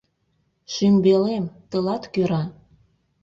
Шӱмбелем, тылат кӧра.